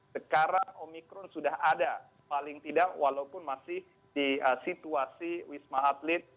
sekarang omikron sudah ada paling tidak walaupun masih di situasi wisma atlet